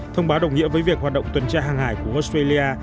thông báo đồng nghĩa với việc hoạt động tuần tra hàng hải của australia